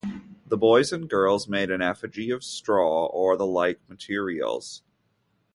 The boys and girls made an effigy of straw or the like materials.